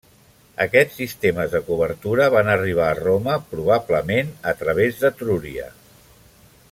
Aquests sistemes de cobertura van arribar a Roma probablement a través d'Etrúria.